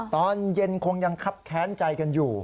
ตอนเย็นคงยังครับแค้นใจกันอยู่